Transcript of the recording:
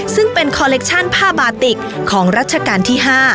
ซึ่งเป็นคอเล็กชั่นผ้าบาติกของรัชกาลที่๕